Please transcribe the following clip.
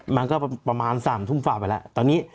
มันก็ประมาณ๓ทุ่มฝ่าไปแล้ว